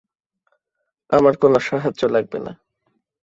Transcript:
আমার কোনো সাহায্য লাগবে না।